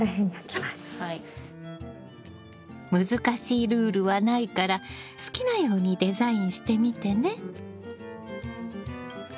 難しいルールはないから好きなようにデザインしてみてね。